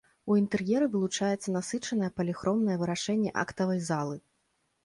У інтэр'еры вылучаецца насычанае паліхромнае вырашэнне актавай залы.